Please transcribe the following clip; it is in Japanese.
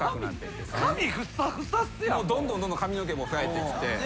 どんどんどんどん髪の毛も生えてきて。